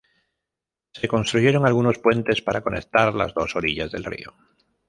Se construyeron algunos puentes para conectar las dos orillas del río.